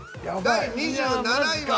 第２７位は。